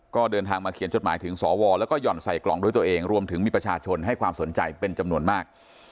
ก็เดินทางมาเขียนจดหมายถึงสวแล้วก็ห่อนใส่กล่องด้วยตัวเองรวมถึงมีประชาชนให้ความสนใจเป็นจำนวนมาก